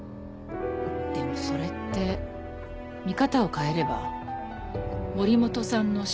でもそれって見方を変えれば森本さんの死を。